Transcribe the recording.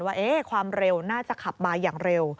ว่าความเร็วน่าจะขับมาอย่างเร็ว